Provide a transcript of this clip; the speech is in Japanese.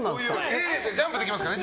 Ａでジャンプできますからね。